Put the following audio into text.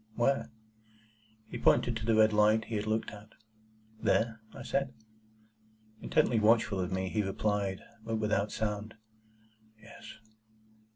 "Where?" He pointed to the red light he had looked at. "There?" I said. Intently watchful of me, he replied (but without sound), "Yes."